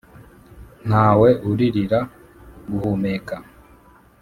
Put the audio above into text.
Ntawe uririra guhumeka